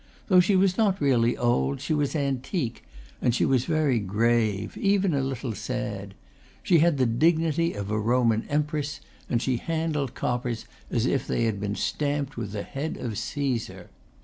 Though she was not really old, she was antique, and she was very grave, even a little sad. She had the dignity of a Roman empress, and she handled coppers as if they had been stamped with the head of Caesar.